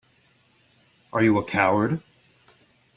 Are you a coward?